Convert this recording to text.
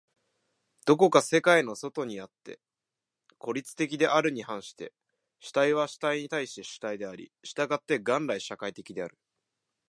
どこか世界の外にあって孤立的であるに反して、主体は主体に対して主体であり、従って元来社会的である。